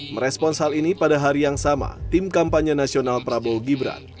merespons hal ini pada hari yang sama tim kampanye nasional prabowo gibran